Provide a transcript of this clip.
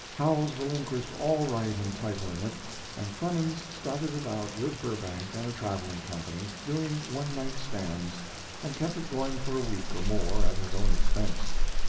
Howells relinquished all right and title in it, and Clemens started it out with Burbank and a traveling company, doing one night stands, and kept it going for a week or more at his own expense.